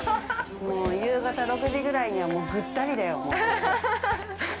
夕方６時ぐらいにはぐったりだよ。